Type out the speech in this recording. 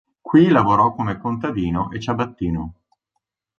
Qui lavorò come contadino e ciabattino.